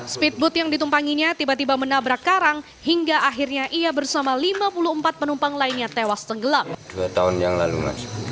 speedboat yang ditumpanginya tiba tiba menabrak karang hingga akhirnya ia bersama lima puluh empat penumpang lainnya tewas tenggelam